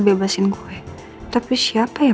bebasin gue tapi siapa yang